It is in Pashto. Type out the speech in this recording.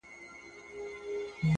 o ښكلي چي گوري ـ دا بيا خوره سي ـ